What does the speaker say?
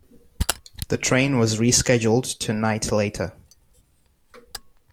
The train was rescheduled to night later.